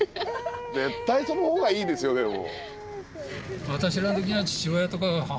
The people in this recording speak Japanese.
絶対そのほうがいいですよでも。